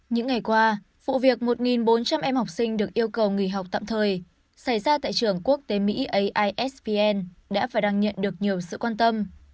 những ngày qua vụ việc một bốn trăm linh em học sinh được yêu cầu nghỉ học tạm thời xảy ra tại trường quốc tế mỹ aisvn đã và đang nhận được nhiều sự quan tâm